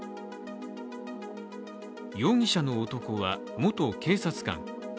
容疑者の男は元警察官。